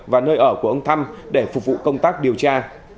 và nơi ở của ông thăm để phục vụ công tác điều tra